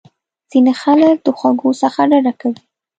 ځینې خلک د خوږو څخه ډډه کوي.